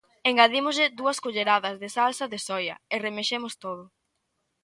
Engadímoslle dúas culleradas de salsa de soia e remexemos todo.